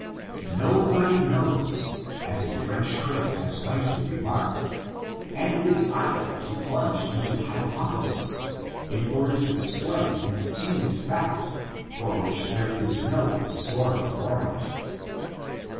'' Nobody knows," as a French critic has rightly remarked ; and it is idle to plunge into hypo thesis in order to explain an assumed fact for which there is no historical warrant.